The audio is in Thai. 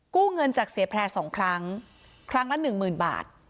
เงินจากเสียแพร่๒ครั้งครั้งละหนึ่งหมื่นบาท